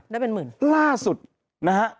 ได้เป็นหมื่นล่าสุดนะฮะ